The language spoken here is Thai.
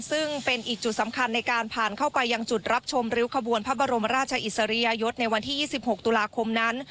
ซึ่งเป็นอีกจุดสำคัญในการผ่านเข้าไปยังจุดรับชมริ้วขบวนพระบรมราชอิสริยยศในวันที่๒๖ตุลาคมนั้น